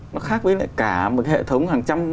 nó khác với lại cả một hệ thống hàng trăm